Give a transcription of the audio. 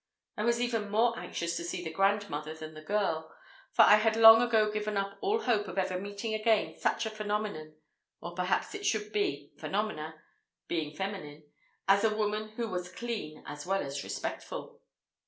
I was even more anxious to see the grandmother than the girl; for I had long ago given up all hope of ever meeting again such a phenomenon (or perhaps it should be phenomena, being feminine) as a woman who was clean as well as respectful!